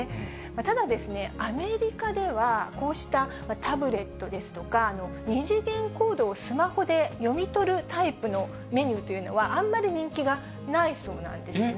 ただ、アメリカではこうしたタブレットですとか、二次元コードをスマホで読み取るタイプのメニューというのは、あんまり人気がないそうなんですね。